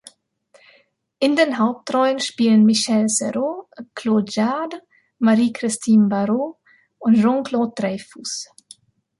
In den Hauptrollen spielen Michel Serrault, Claude Jade, Marie-Christine Barrault und Jean-Claude Dreyfus.